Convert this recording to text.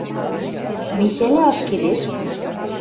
Михӓлӓ ашкедеш?